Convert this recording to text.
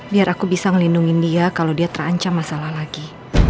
biar aku bisa melindungi dia kalau dia terancam masalah lagi